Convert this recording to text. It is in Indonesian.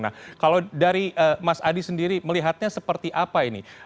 nah kalau dari mas adi sendiri melihatnya seperti apa ini